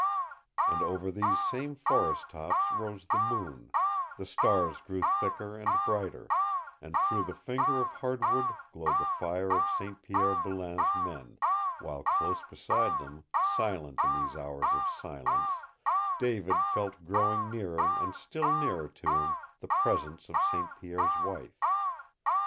And over these same forest tops rose the moon, the stars grew thicker and brighter, and through the finger of hardwood glowed the fire of St. Pierre Boulain's men while close beside him, silent in these hours of silence, David felt growing nearer and still nearer to him the presence of St. Pierre's wife.